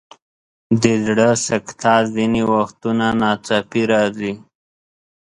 د زړه سکته ځینې وختونه ناڅاپي راځي.